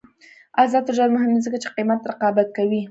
آزاد تجارت مهم دی ځکه چې قیمت رقابت کوي.